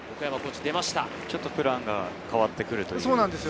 ちょっとプランが変わってくるという。